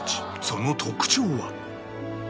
その特徴は